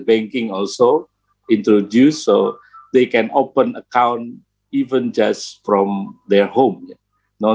dibangun jadi mereka bisa membuka akun bahkan hanya dari rumah mereka